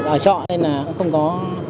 ở trọ nên là không có